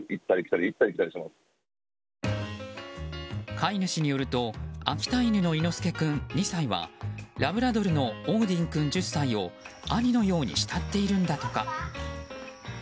飼い主によると秋田犬の猪之助君、２歳はラブラドルのオーディン君、１０歳を兄のように慕っているんだとか。